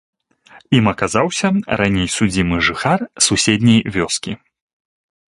Ім аказаўся раней судзімы жыхар суседняй вёскі.